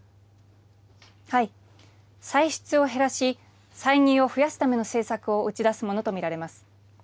歳出を減らし、歳入を増やすための政策を打ち出すものと見られます。